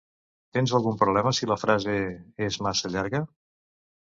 Tens algun problema si la frase és massa llarga?